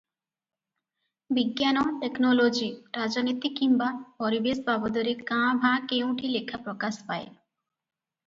ବିଜ୍ଞାନ-ଟେକନୋଲୋଜି, ରାଜନୀତି କିମ୍ବା ପରିବେଶ ବାବଦରେ କାଁ ଭାଁ କେଉଁଠି ଲେଖା ପ୍ରକାଶ ପାଏ ।